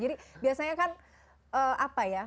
jadi biasanya kan apa ya